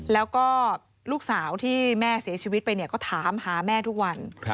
แล้วก็ลูกสาวที่แม่เสียชีวิตไปเนี่ยก็ถามหาแม่ทุกวัน